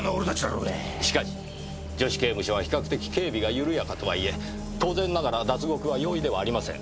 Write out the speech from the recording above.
しかし女子刑務所は比較的警備が緩やかとはいえ当然ながら脱獄は容易ではありません。